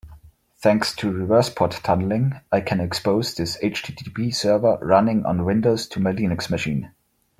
Thanks to reverse port tunneling, I can expose this HTTP server running on Windows to my Linux machine.